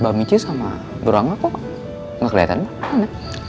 mbak michi sama duranga kok nggak kelihatan mbak